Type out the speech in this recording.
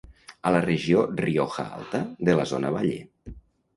A la regió Rioja Alta, de la zona Valle.